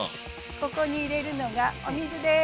ここに入れるのがお水です。